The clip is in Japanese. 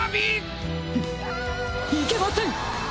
フムいけません！